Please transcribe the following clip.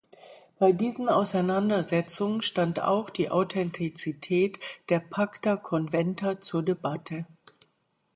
Bei diesen Auseinandersetzungen stand auch die Authentizität der Pacta Conventa zur Debatte.